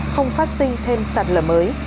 không phát sinh thêm sạt lở mới